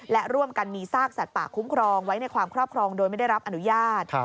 และร่วมกันมีซากสัตว์ป่าคุ้มครองไว้ในความครอบครองโดยไม่ได้รับอนุญาต